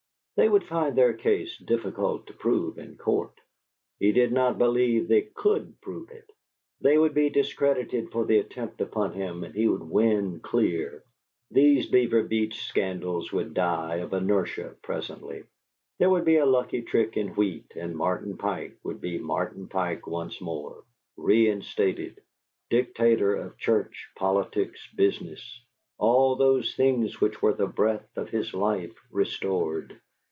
They would find their case difficult to prove in court. He did not believe they COULD prove it. They would be discredited for the attempt upon him and he would win clear; these Beaver Beach scandals would die of inertia presently; there would be a lucky trick in wheat, and Martin Pike would be Martin Pike once more; reinstated, dictator of church, politics, business; all those things which were the breath of his life restored.